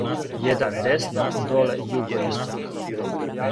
Један десно доле југоисток